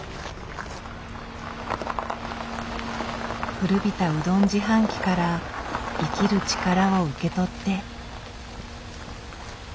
古びたうどん自販機から生きる力を受け取って。